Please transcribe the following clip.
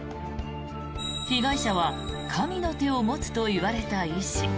被害者は神の手を持つといわれた医師。